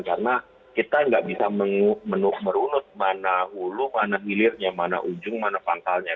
karena kita nggak bisa merunut mana ulu mana hilirnya mana ujung mana pantalnya